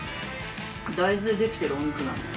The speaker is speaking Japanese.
大豆でできてるお肉なのよ